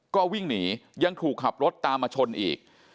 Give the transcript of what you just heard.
ก็วิ่งหนียังถูกขับรถตามมาชนอีก